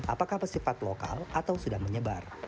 apakah pesifat lokal atau sudah menyebar